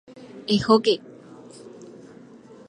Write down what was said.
¡Ehóke!